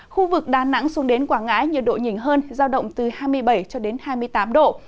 khu vực đà nẵng xuống đến quảng ngãi nhiệt độ nhìn hơn giao động từ hai mươi bảy cho đến hai mươi tám độ